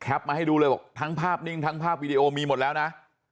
มาให้ดูเลยบอกทั้งภาพนิ่งทั้งภาพวีดีโอมีหมดแล้วนะ